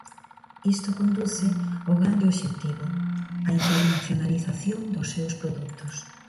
Isto conduce ao grande obxectivo: a internacionalización dos seus produtos.